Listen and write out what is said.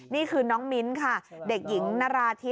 นี่คือน้องมิ้นค่ะเด็กหญิงนราธิ